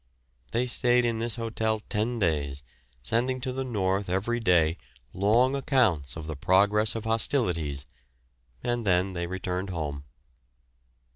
They stayed in this hotel ten days, sending to the north every day long accounts of the progress of hostilities, and then they returned home."